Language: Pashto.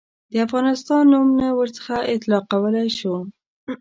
د افغانستان نوم نه ورڅخه اطلاقولای شو.